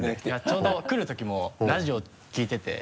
ちょうど来るときもラジオ聴いてて。